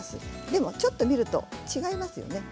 でもちょっと見ると違いますよね。